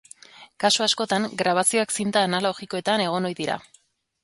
Kasu askotan, grabazioak zinta analogikoetan egon ohi dira.